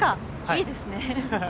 いいですね。